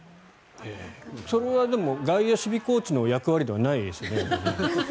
それは外野守備コーチの役割ではないですよね？